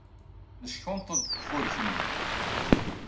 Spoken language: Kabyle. Neckunṭeḍ deg ufurk-nni.